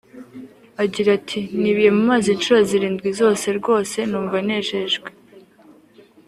Agira ati “Nibiye mu mazi inshuro zirindwi zose rwose numva nejejwe